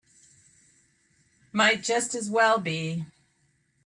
Might just as well be.